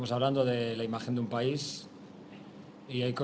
kita berbicara tentang imajen sebuah negara